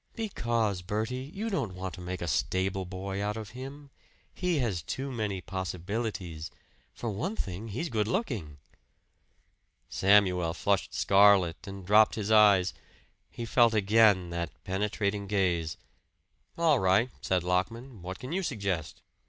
"Because, Bertie, you don't want to make a stable boy out of him. He has too many possibilities. For one thing, he's good looking." Samuel flushed scarlet and dropped his eyes. He felt again that penetrating gaze. "All right," said Lockman. "What can you suggest?"